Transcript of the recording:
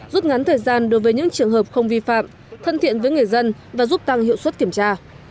rút ngắn thời gian đối với những trường hợp không vi phạm thân thiện với người dân và giúp tăng hiệu suất kiểm tra